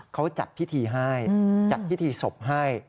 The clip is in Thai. เขาจัดพิธีให้จัดพิธีศพให้